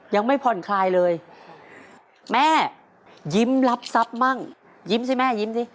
ยังไม่ผ่อนคลายเลยแม่ยิ้มรับทรัพย์มั่งยิ้มสิแม่ยิ้มสิ